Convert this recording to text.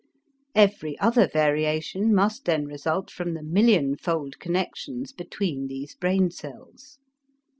Every other variation must then result from the millionfold connections between these brain cells.